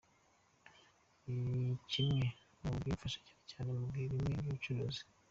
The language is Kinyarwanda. Ni kimwe mu bimfasha cyane cyane mu bihe bimwe by’ubucuruzi.